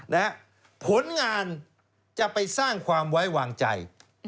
และผลงานจะไปสร้างความไว้วางใจ